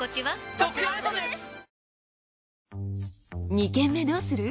「二軒目どうする？」